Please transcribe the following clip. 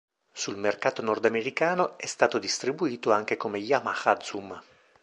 Sul mercato nordamericano è stato distribuito anche come Yamaha Zuma.